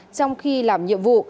trong khi làm nhiệm vụ